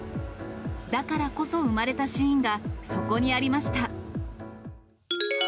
だからこそ生まれたシーンがそこにありました。